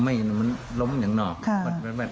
เพราะพ่อเชื่อกับจ้างหักข้าวโพด